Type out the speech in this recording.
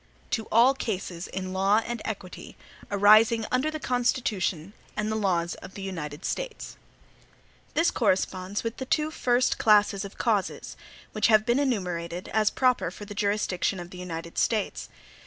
To all cases in law and equity, arising under the Constitution and the laws of the United States. This corresponds with the two first classes of causes, which have been enumerated, as proper for the jurisdiction of the United States.